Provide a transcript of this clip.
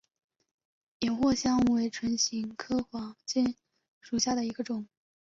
岩藿香为唇形科黄芩属下的一个种。